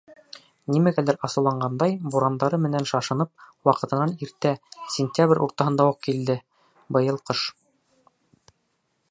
Нимәгәлер асыуланғандай, бурандары менән шашынып, ваҡытынан иртә, сентябрь уртаһында уҡ, килде быйыл ҡыш.